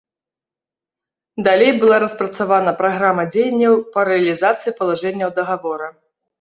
Далей была распрацавана праграма дзеянняў па рэалізацыі палажэнняў дагавора.